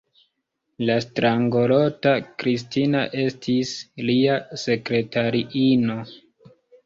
La strangolota Kristina estis lia sekretariino.